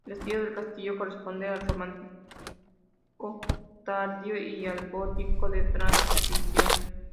El estilo del castillo corresponde al románico tardío y al gótico de transición.